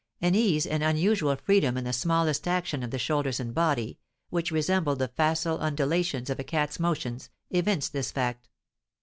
An ease and unusual freedom in the smallest action of the shoulders and body, which resembled the facile undulations of a cat's motions, evinced this fact.